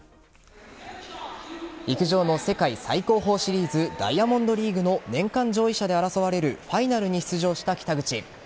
陸上の世界最高峰シリーズダイヤモンドリーグの年間上位者で争われるファイナルに出場した北口。